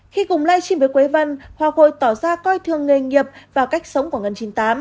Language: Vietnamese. khi cùng live stream với quế vân hoa khôi tỏ ra coi thương nghề nghiệp và cách sống của ngân chín mươi tám